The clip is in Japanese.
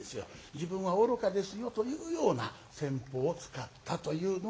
自分は愚かですよというような戦法を使ったというのが本当らしい。